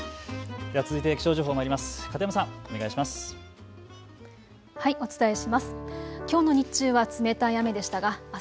では続いて気象情報まいります。